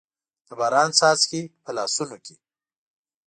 د باران څاڅکي، په لاسونو کې